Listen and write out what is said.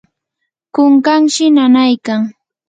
kunkanshi nanaykan.